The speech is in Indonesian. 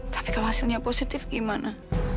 tapi kalau hasilnya positif gimana